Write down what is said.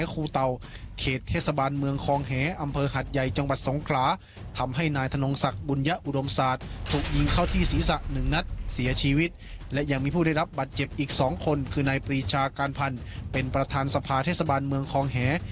คือในปรีชาการพันธุ์เป็นประธานสภาเทศบาลเมืองคองแหง